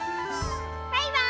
バイバーイ！